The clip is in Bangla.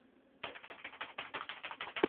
সস্তায় হয়ে যাবে।